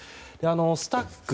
スタック